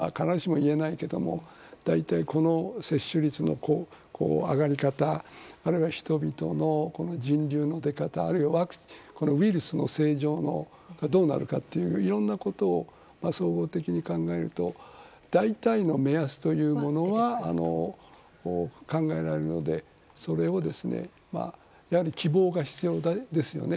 正確なことは必ずしも言えないけれど大体、この接種率の上がり方あるいは人々の人流の出方あるいはウイルスがどうなるかといういろんなことを総合的に考えると大体の目安というものは考えられるのでそれを、希望が必要ですよね。